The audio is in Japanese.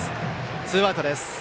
ツーアウトです。